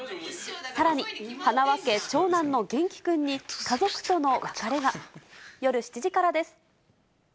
さらに、はなわ家長男の元輝君に、家族との別れが。